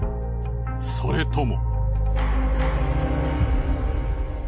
それとも。